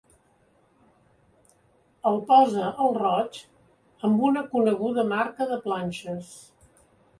El posa al roig amb una coneguda marca de planxes.